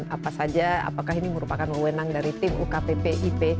apa saja apakah ini merupakan wewenang dari tim ukppip